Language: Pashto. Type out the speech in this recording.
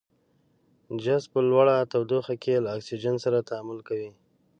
جست په لوړه تودوخه کې له اکسیجن سره تعامل کوي.